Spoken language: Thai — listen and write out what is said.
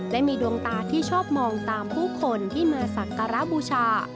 และมีดวงตาที่ชอบมองตามผู้คนที่มาสักการะบูชา